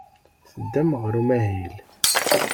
Teddam ɣer umahil.